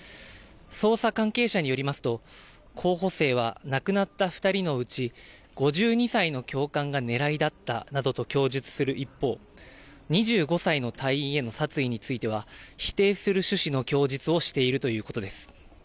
捜査関係者によりますと、候補生は、亡くなった２人のうち、５２歳の教官が狙いだったなどと供述する一方、２５歳の隊員への殺意については否定する趣旨の供述をしているということです。